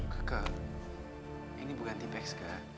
keke ini bukan tipex ke